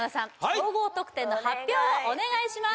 総合得点の発表をお願いします